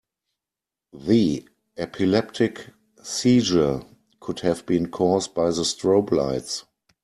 The epileptic seizure could have been cause by the strobe lights.